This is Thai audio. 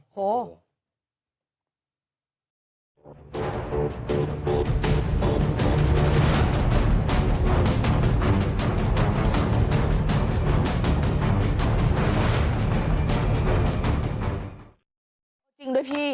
มันจริงด้วยพี่